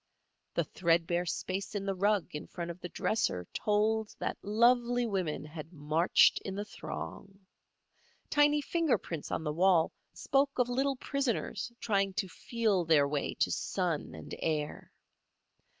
The threadbare space in the rug in front of the dresser told that lovely woman had marched in the throng. Tiny finger prints on the wall spoke of little prisoners trying to feel their way to sun and air.